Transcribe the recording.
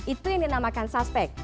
itu yang dinamakan suspek